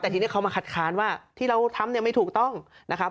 แต่ทีนี้เขามาคัดค้านว่าที่เราทำเนี่ยไม่ถูกต้องนะครับ